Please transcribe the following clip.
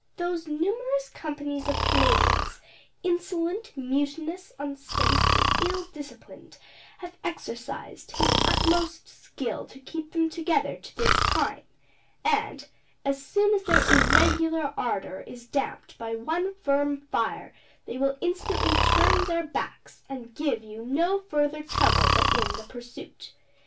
Those numerous companies of Canadians, insolent, mutinous, unsteady, and ill disciplined, have exercised his utmost skill to keep them together to this time; and, as soon as their irregular ardor is damped by one firm fire, they will instantly turn their backs, and give you no further trouble but in the pursuit.